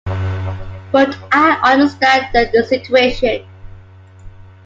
But I understand the situation.